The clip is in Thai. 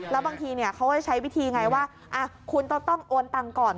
แล้วบางทีเนี่ยเขาจะใช้วิธียังไงว่าอ่ะคุณต้องโอนตังก่อน